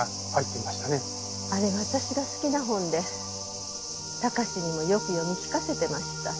あれ私が好きな本で貴史にもよく読み聞かせてました。